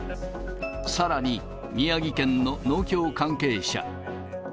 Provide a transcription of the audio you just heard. さらに宮城県の農協関係者。